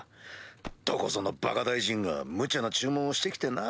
どこぞのバカ大臣が無茶な注文をして来てな。